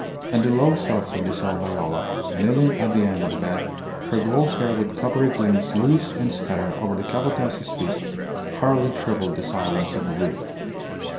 And the low sobs of Giselle Viola, kneeling at the end of the bed, her gold hair with coppery gleams loose and scattered over the Capataz's feet, hardly troubled the silence of the room.